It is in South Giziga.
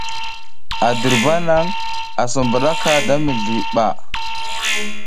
A dirba nang a sa hidkaka da mizli ɓa.